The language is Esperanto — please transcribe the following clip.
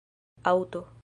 aŭto